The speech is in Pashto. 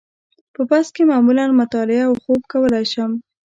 په بس کې معمولاً مطالعه او خوب کولای شم.